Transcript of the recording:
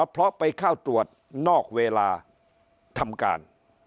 เพราะไปเข้าตรวจนอกเวลาทำการ